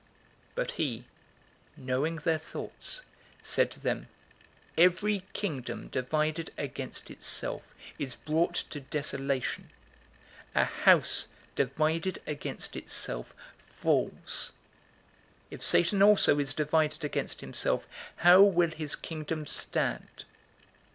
011:017 But he, knowing their thoughts, said to them, "Every kingdom divided against itself is brought to desolation. A house divided against itself falls. 011:018 If Satan also is divided against himself, how will his kingdom stand?